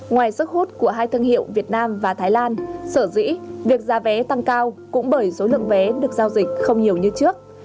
ngoài sức hút của hai thương hiệu việt nam và thái lan sở dĩ việc giá vé tăng cao cũng bởi số lượng vé được giao dịch không nhiều như trước